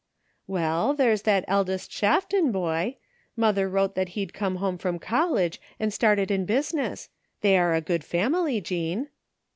"Well, there's that oldest Shafton boy. Mother wrote he had come home from college and started in business. They are a good family, Jean."